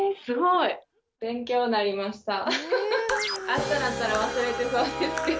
あしたなったら忘れてそうですけど。